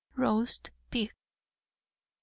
ROAST PIG. Mrs.